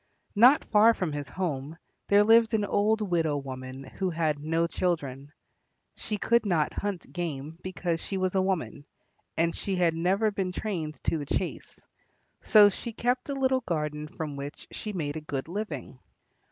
Not far from his home there lived alone an old widow woman who had no children. She could not hunt game because she was a woman, and she had never been trained to the chase, so she kept a little garden from which she made a good living.